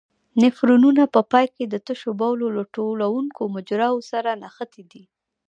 نفرونونه په پای کې د تشو بولو له ټولوونکو مجراوو سره نښتي دي.